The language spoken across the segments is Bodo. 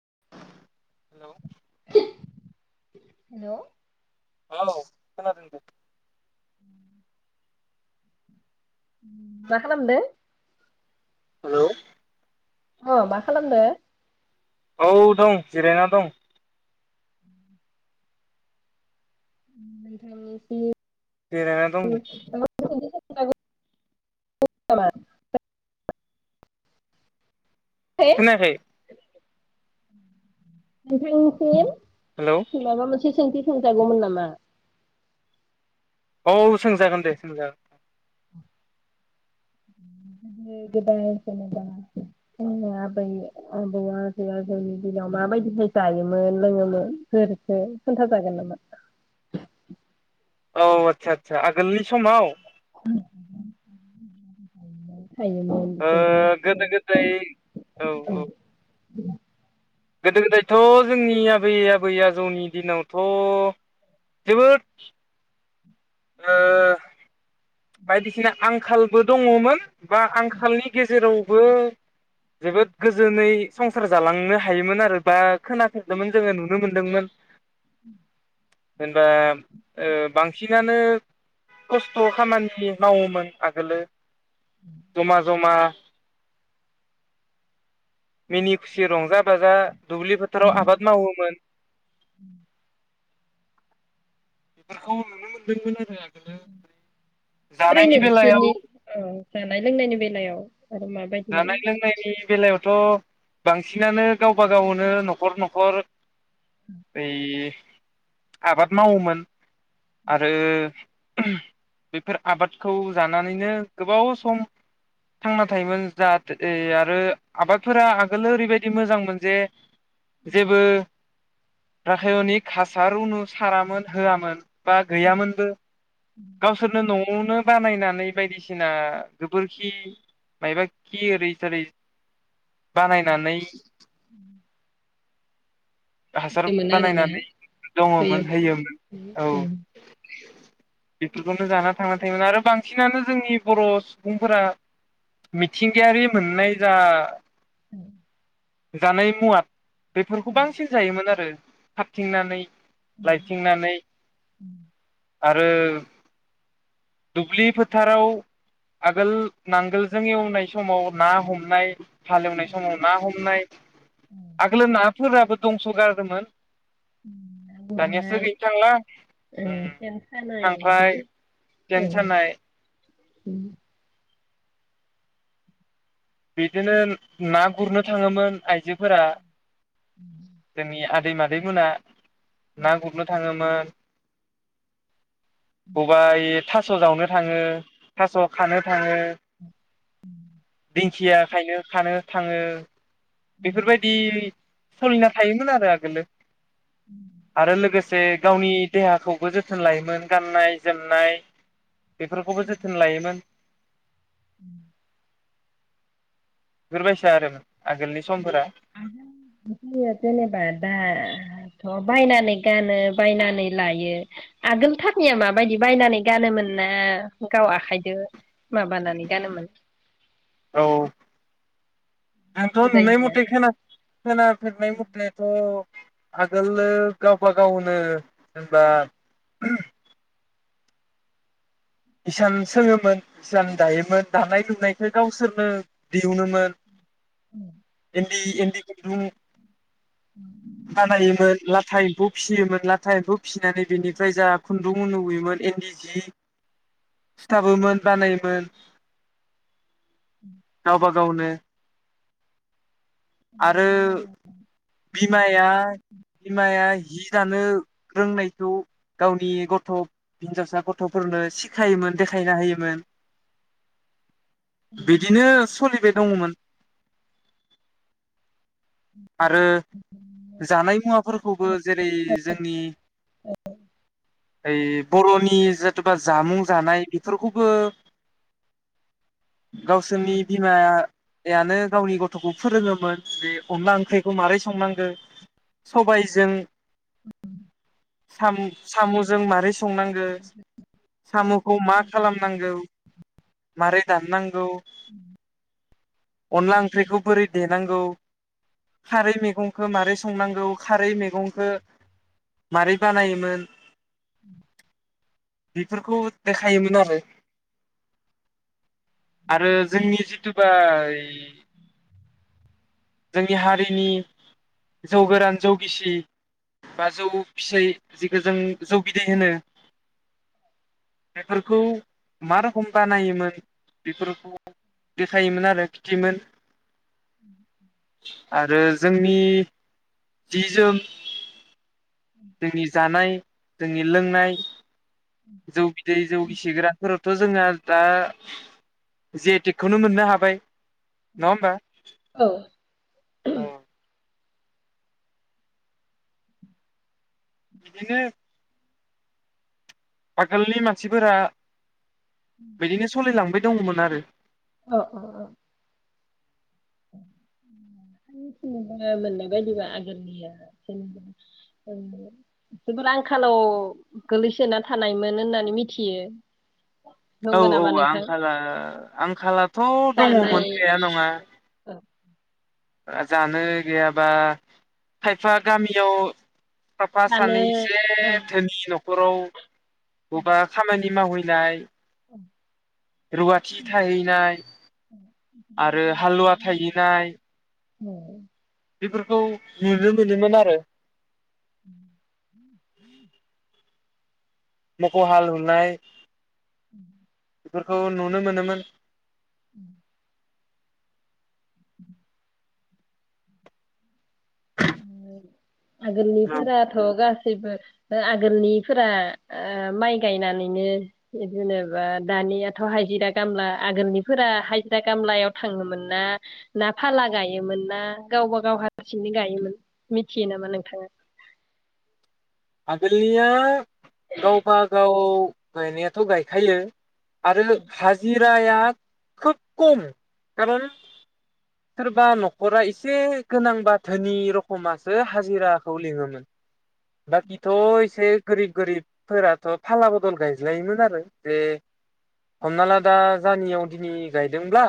[inaudible] हेल' औ खोनादों [unintelligible] [inaudible] मा खालामदो? हेल' अ मा खालामदो? औ दं जिरायना दं। उ नोथांनिसि बेेरायना दं दे [unintelligible] खोनायाखै नोंथांसि हेलौ [unintelligible] माबा मोनसे सोंथि सोंजागौमोन नामा? औ सोंजागोन दे सोंजा गोदो गोदाय जेनबा जोंनि आबै आबौ आजै आजौनि दिनाव माबायदिहाय जायोमोन लोङोमोन फोरखो खोन्था जागोन नामा? औ आतसा आतस [unintelligible] आगोलनि समाव? थायोमोन ओ बिसोरो गोदो गोदाय औ औ [inaudible] गोदो गोदायथ' जोंनि आबै आबै आजौनि दिनावथ' जोबोद ओ बायदिसिना आंखालबो दङमोन बा आंखालनि गेजेरावबो जोबोद गोजोनै संसार जालांनो हायोमोन आरो बा खोनाफेरदोंमोन जोङो नुनो मोनदोंमोन उ जेनबा ओ बांसिनानो खस्थ' खामान थि मावोमोन आगोलो जमा जमा मिनि खुसि रंजा बाजा दुब्लि फोथाराव आबाद मावोमोन। माखौ नुनो मोन्दोंमोन होनो आं ओारैनो बेलायाव बिसोरनि औ जानाय लोंनायनि बेलायाव आरो माबायदिमोन जानाय लोंनायनि बेलायाव थ' बांसिनानो गावबा गावनो न'खर न'खर यै आबाद मावोमोन आरो बेफोर आबादखौ जानानैनो गोबाव सम थांना थायोमोन। जाहाथे आरो आबादफोरा आगोलो ओरैबायदि मोजांमोन जे जेबो राखायनिक हासारुनु सारामोन होआमोन बा गैयामोनबो गावसोरनो न'आवनो बानायनानै बायदिसिना गोबोरखि मायबा खि ओरै थोरै बानायनानै हासार होयोमोन आरोना बानायनानै दङमोन होयोमोन उम औ उम बेफोरखौनो जाना थांनानै थायोमोन आरो बांसिनानो जोंनि बर' सुबुंफोरा मिथ थिंगायारि मोननाय जा उम जानाय मुवा बेफोरखौ बांसिन जायोमोन आरो खाबथिंनानै उम लायथिंनानै उम आरो दुब्लि फोथाराव आगोल नांगोलजों एवनाय समाव ना हमनाय हालेवनाय औ समाव ना हमनाय औ आगोलो नाफोराबो दंस खारदोमोन ना दानियासो गुरनाय गैनो थांला ओ उम सेन सानाय बिदि खांख्राइ सेन सानाय उम बिदिनो ना गुरनो थाङोमोन। आइजोफोरा जोंनि आ आदै मादैै मोना ना गुरनो थाङोमोन। बबा इ थास जावनो थाङो थास खानो थाङो। दिंखिया खायनो खानो थाङो। बेफोरबायदि सोलिना थायोमोन आरो आगोलो। आरो लोगोसे गावनि देहाखौबो जोथोन लायोमोन गाननाय, जोमनाय। बेफोरखौबो जोथोन लायोमोन। उम। बिफोरबायसा आरो मोन। उम आगोल जेनेबा दा थ। बायनानै गानो बायनानै लायो। आगोलथारनिया माबायदि बायनानै गानोमोनना गाव आखाइदो माबानानै गानोमोन। आंथ नुनाय गोदायनिया मथे खोना खोनाफेरनाय मथे थ आगोलो गावबा गावनो जेनबा इसान सोङोमोन इसान दायोमोन दानाय लुनायखौ गावसोरनो दिहुनोमोन। औ। इन्दि खुनदुं। बानायोमोन, लाथा खौ फिसियोमोन लाथा एम्फौ फिसिनानै बेनिफ्राय जा खुन्दुं इन्दि जि सिथाबोमोन बानायोमोन। [inaudible] गावनो आरो बिमाया बिमाया जि जानो रोंनायखौ गावनि गथ' हिनजावसा गथ'फोरनो। सिखायोमोन देखायना होयोमोन बिदिनो स'लिबाय दंङमोन आरो जानाय मुवाफोरखौबो जेरै जोंनि ऐ बर'नि जेथु बा जामुं जानाय बिफोरखौबो गावसोरनि बिमाया यानो गावनि गथ'खौ फोरोङोमोन बे सबायजों सामु साम'जों मारै संनांगो साम'खौ मा खालामनांगौ मारै दाननांगौ अनला ओंख्रिखौ बोरै देनांगौ खारै मेगंखो मारै संनांगौ खारै मैगंखो मारै बानायोमोन बिफोरखौ देखायोमोन आरो। आरो जोंनि जिथुबा जोंनि हारिनि जौ गोरान जौ गिसि बा जौ फिसै जिखो जों जौ बिदै होनो। बेफोरखौ मा र'खोम बानायोमोन बेफोरखौ देखायोमोन आरो खिथियोमोन। आरो जोंनि जि जोम जोंनि जानाय जोंनि लोंनाय जौ बिदै जौ गिसि गोरान फोरावथ' जोंहा दा जिआईटेकखौनो मोननो हाबाय। नङाहोमबा? औ औ। बिदिनो आगोलनि मानसिफोरा बिदिनो सलिलांबाय दङमोन आरो। अ अ अ। [unintelligible] मोननाय बायदिबा आगोलनिया जेनेबा ओ जोबोर आंखालाव गोलैसोना थानायमोन होननानै मिथियो। औ नंगौ औ नामा नोंथां आंखाला आंखालाथ' दानाय दङमोन गैया नङा। औ ओ जानो गैयाबा खायफा गामियाव साफा दानो सानै एसे औ धोनि न' फोराव बबा खामानि मावहै दाहाय रुवाथि थाहैनाय आरो हालुवा थाहैनाय औ। बेफोरखौ नुनो मोनोमोन आरो। [unintelligible] मोखौ हालुनाय [unintelligible] बेफोरखौ नुनो मोनोमोन। उम। [unintelligible] आगनिफोरात गास गासैबो आगोलनिफोरा ओ माइ गायनानैनो जेनेबा दानियाथ' हाजिरा गामला आगोलनिफोरा हाजिरा खामलायाव थाङोमोन ना ना फाला गायोमोन ना गावबा गाव हारसिंङै गायोमोन मिथियो नामा नोंथाङा आगोलनिया गावबा गाव गायनायाथ' गायखायो आरो हाजि हाजिराया खोब खम खारन सोरबा न'खरा एसे गोनां बा धोनि रखमासो हाजिराखौ लिङोमोन बाखिथ' एसे गोरिब गोरिबफोराथ' फाला बदल गायज्लायोमोन आरो जे हमना ला दा जानियाव दिनै गायदोंब्ला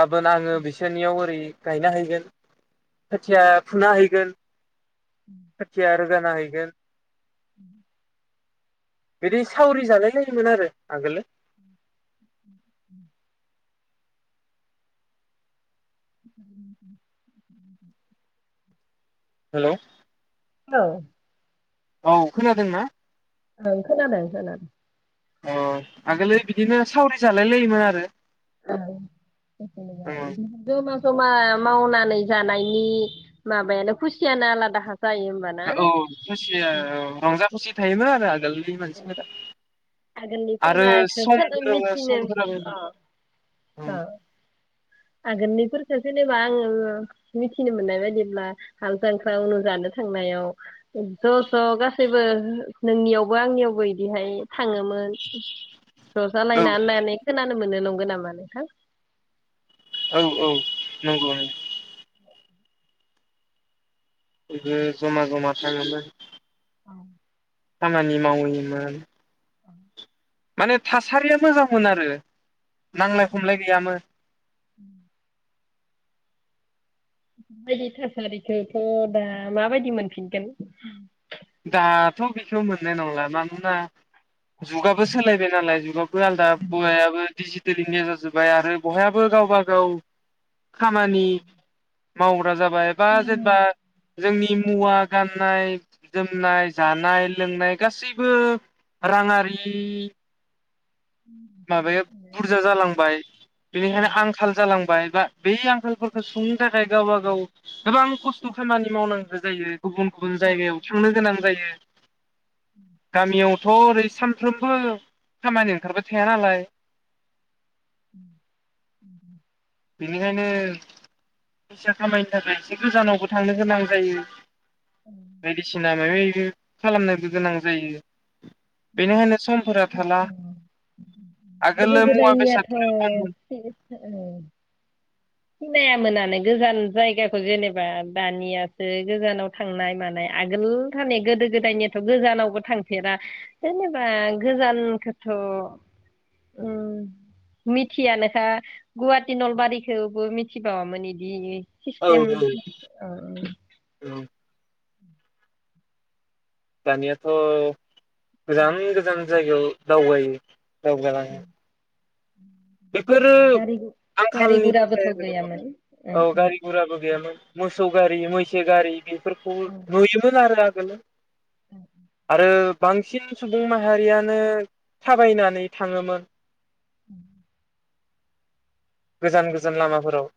गाबोन आङो बिसोरनियाव ओरै गायना हैगोन खोथिया फुना हैगोन खोथिया रोगाना होयो बेल उम बिदि सावरि जालाय लायोमोन आरो आगोलो उम [unintelligible] लौ औ औ खोनादोंना ओं खोनादों खोना अ आगोलो बिदिनो सावरि जालाय लायोमोन आरो ओं जेनेबा इदिनो गोमा जमा मावनानै जानायनि माबायानो खुसियानो आलादा हा औ खुसिया रंजा खुसि थायोमोन आरो आगोल बै मानसि फोरा आरो आगोलनिफोराखो सहायफोराबो समफोराबो ओ आगोलनिफोरखौ जेनेबा आङो मिथिनो मोननाय बायदिब्ला हाल जांख्रा उनाव जानो थांनायाव ज ज गासैबो नोंनियावबो आंनियावबो इदिहाय थाङोमोन ज जालायना होननानै खोना नो मोनो नंगो नामा नोंथां औ औ नंगौ नों गोदो जमा जमा थाङोमोन औ खामानि मावैनि मोन माने थासारिया मोजांमोन आरो नांलाय खमलाय गैयामोन [inaudible] बायदि थासारिखौथ दा माबायदि मोनफिनगोन दाथ बेखौ मोननाय नंला मानोना जुगाबो सोलायबाय नालाय जुगाबो आलदा मुगायाबो डिजिटेलिनि गोजा जाजोब्बाय आरो बयहाबो गावबा गाव खामानि मावो जाबाय बा जेनबा जोंनि मुवा गाननाय जोमनाय जानाय लोंनाय गासैबो राङारि माबाया बुरजा जालांबाय औ बेनिखायनो आंखाल जालांबाय बा बे आंखालफोरखौ सुंनो थाखाय गावबा गाव गोबां खस्थ खामानि मावनांगौ जायो। गुबुन गुबुन औ जायगायाव थांनो गोनां जायो। गामियाव थ' ओरै सानफ्रोमबो खामानि ओंखारबाय थाया नालाय। उम उम उम बेनिखायनो फैसा खामायनो थाखाय एसे गोजानावबो थांनो गोनां जायो। बायदिसिनानो ओइनो खालामनोबो गोनां जायो। बेनिखायनो समफोरा थाला गोदो आगोलो मुवा गोदायनियाथ' बेसादफोरो खममोन। सिनायामोनानो गोजान जायगाखौ जेनेबा दानियासो गोजानाव थांनाय मानाय आगोलथार गोदो गोदायनियाथ गोजानावबो थांफेरा। जेनेबा गोजानखोथ' मिथियानोखा गुवाहाटि, नलबारि थेवबो मिथि बावामोन इदिनि औ सिस्तेम ओ औ दानियाथ' गोजान गोजान जायगायाव दावबायो। दावगालांङो। बेफोरो गारि गारि आंखालनि गुराबोथ' थाखाय गैयामोन औ गारि गुराबो गैयामोन। मोसौ गारि, मैसो गारि, बेफोरखौ नुयोमोन आरो। गोलो औ ओ बांसिन सुबुं माहारियानो थाबायनानै थाङोमोन। उम गोजान गोजान लामाफोराव।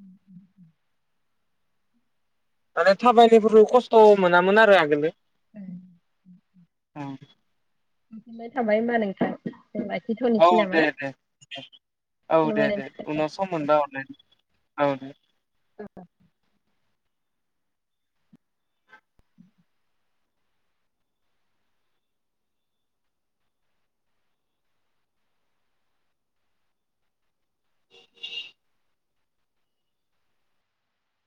उम उम माने थाबायनायफोर खस्थ' मोनामोन आरो आगोलो। ओं ओं [unintelligible] थाबाय होनबा नोंथां। औ लाखिथ'नोसै दे नामा दे दे। औ दे खुलुमबाय दे नोंथां उनाव सम मोनबा हरलाय औ दे। औ। [inaudible]